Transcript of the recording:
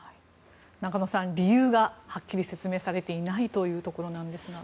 中野さん、理由がはっきり説明されていないというところなんですが。